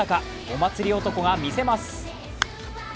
お祭り男が見せます。